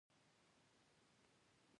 مجاز پر دوه ډوله دﺉ.